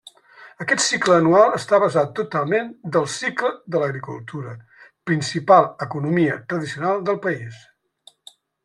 Aquest cicle anual està basat totalment del cicle de l'agricultura, principal economia tradicional del país.